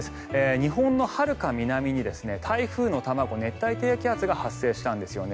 日本のはるか南に台風の卵熱帯低気圧が発生したんですね。